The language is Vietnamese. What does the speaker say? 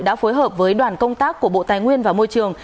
đã phối hợp với đoàn công tác của bộ tài nguyên và môi trường